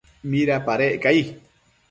¿midapadec ca?